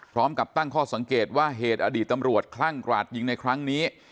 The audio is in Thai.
พร้อมกับตั้งข้อสังเกตว่าเหตุอดีตตำรวจคลั่งกราดยิงในครั้งนี้